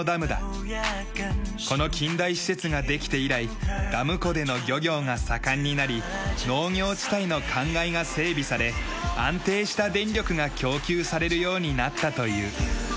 この近代施設ができて以来ダム湖での漁業が盛んになり農業地帯の灌漑が整備され安定した電力が供給されるようになったという。